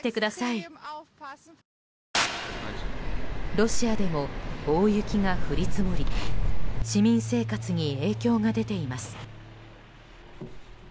ロシアでも大雪が降り積もり市民生活に影響が出ています。